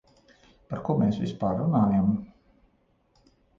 Par ko mēs vispār runājam?